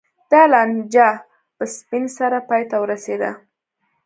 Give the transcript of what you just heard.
دا لانجه په ځپنې سره پای ته ورسېده.